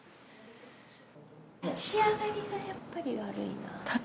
立ち上がりがやっぱり悪いな。